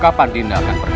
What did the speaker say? kapan dinda akan berkenan